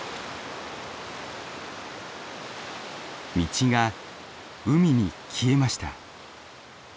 道が海に消えました。